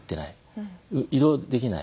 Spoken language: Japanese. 移動できない。